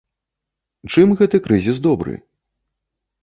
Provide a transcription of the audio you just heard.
Чым гэты крызіс добры?